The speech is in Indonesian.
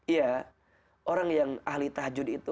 ya orang yang ahli tahajud itu